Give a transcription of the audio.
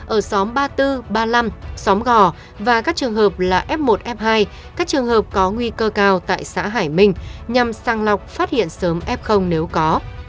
ở xóm ba mươi bốn ba mươi năm xóm gò và các trường hợp là f một f hai các trường hợp có nguy cơ cao tại xã hải minh nhằm sang lọc phát hiện sớm f nếu có